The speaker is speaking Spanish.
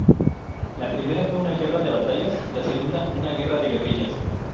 La primera fue una guerra de batallas; la segunda, una guerra de guerrillas.